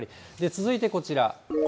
続いてこちら。